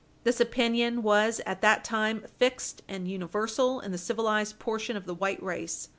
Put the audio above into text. This opinion was at that time fixed and universal in the civilized portion of the white race.